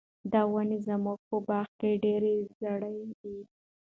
دا ونې زموږ په باغ کې ډېرې زړې دي.